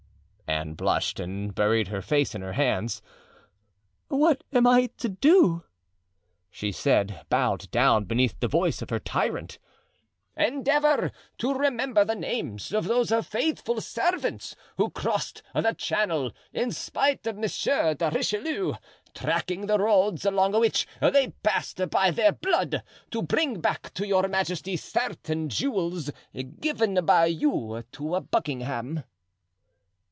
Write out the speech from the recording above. Anne blushed and buried her face in her hands. "What am I to do?" she said, bowed down beneath the voice of her tyrant. "Endeavor to remember the names of those faithful servants who crossed the Channel, in spite of Monsieur de Richelieu, tracking the roads along which they passed by their blood, to bring back to your majesty certain jewels given by you to Buckingham."